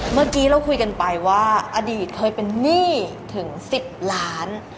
เมื่อกี้เราคุยกันไปว่าอดีตเคยเป็นหนี้ถึง๑๐ล้าน